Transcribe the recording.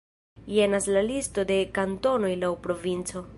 Jenas la listo de kantonoj laŭ provinco.